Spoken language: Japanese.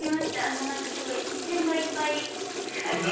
もう何かすごい視線がいっぱいな感じで。